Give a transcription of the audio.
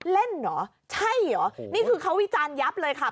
เล่นเหรอใช่เหรอนี่คือเขาวิจารณ์ยับเลยค่ะ